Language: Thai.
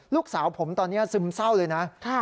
ลูกสาวผมตอนนี้ซึมเศร้าเลยนะ